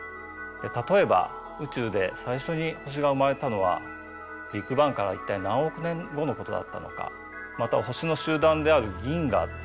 例えば宇宙で最初に星が生まれたのはビッグバンから一体何億年後のことだったのかまたは星の集団である銀河ですね